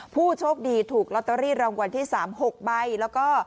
ผู้โชคดีถูกลอตเตอรี่รางวัลที่๓๖ใบแล้วก็